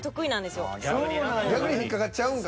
逆に引っ掛かっちゃうんか。